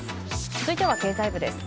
続いては経済部です。